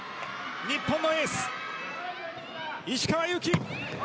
日本のエース石川祐希。